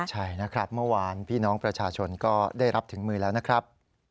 ใช่นะครับเมื่อวานพี่น้องประชาชนก็ได้รับถึงมือแล้วนะครับ